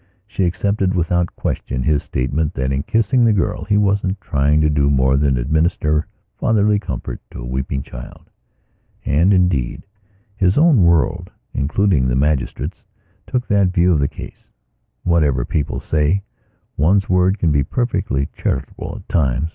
She accepted without question his statement that, in kissing the girl, he wasn't trying to do more than administer fatherly comfort to a weeping child. And, indeed, his own worldincluding the magistratestook that view of the case. Whatever people say, one's world can be perfectly charitable at times...